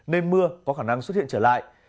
nên mưa có khả năng xuất hiện trở lại